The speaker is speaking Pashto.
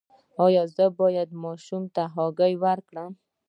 ایا زه باید ماشوم ته هګۍ ورکړم؟